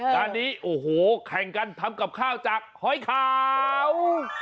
งานนี้โอ้โหแข่งกันทำกับข้าวจากหอยขาว